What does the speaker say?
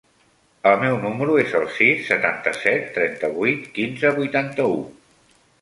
El meu número es el sis, setanta-set, trenta-vuit, quinze, vuitanta-u.